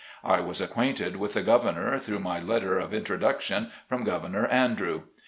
I was acquainted with the governor through my letter of introduction from Governor Andrew.